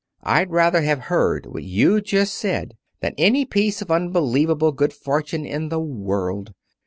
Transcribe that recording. I'd rather have heard what you just said than any piece of unbelievable good fortune in the world.